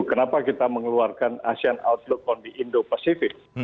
kenapa kita mengeluarkan asean outlook on the indo pacific